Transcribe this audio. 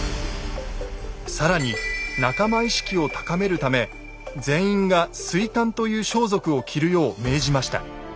更に仲間意識を高めるため全員が「水干」という装束を着るよう命じました。